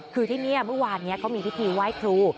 คือที่นี่เมื่อวานนี้เขามีพิธีไหว้ครู